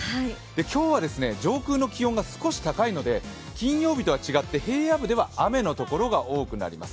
今日は上空の気温が少し高いので金曜日とは違って平野部では雨のところが多くなります。